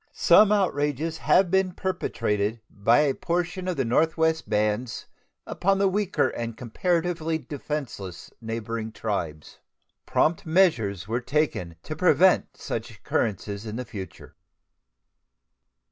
Some outrages have been perpetrated by a portion of the northwestern bands upon the weaker and comparatively defenseless neighboring tribes. Prompt measures were taken to prevent such occurrences in future.